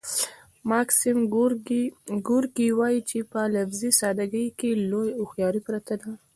ماکسیم ګورکي وايي چې په لفظي ساده ګۍ کې لویه هوښیاري پرته ده